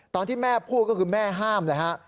ตอนที่แม่พูดก็คือแม่ห้ามเลยฮะ